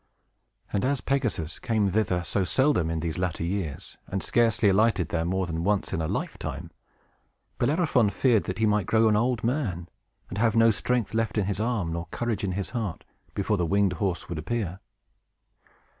And as Pegasus came thither so seldom in these latter years, and scarcely alighted there more than once in a lifetime, Bellerophon feared that he might grow an old man, and have no strength left in his arms nor courage in his heart, before the winged horse would appear.